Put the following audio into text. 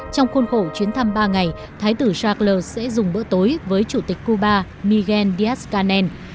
trong khuôn khổ chuyến thăm ba ngày thái tử shackler sẽ dùng bữa tối với chủ tịch cuba miguel díaz canel